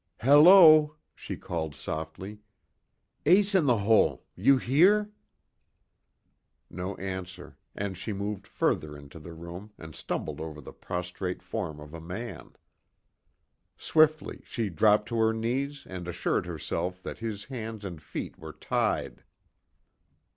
"Hello!" she called, softly. "Ace In The Hole! You here?" No answer, and she moved further into the room and stumbled over the prostrate form of a man. Swiftly she dropped to her knees and assured herself that his hands and feet were tied.